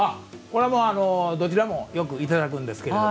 これはもう、どちらもよくいただくんですけれど。